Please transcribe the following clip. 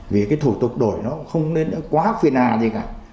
vì cái thủ tục đổi nó không nên nó quá phiền hà gì cả